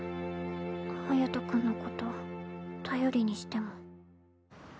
隼君のこと頼りにしても。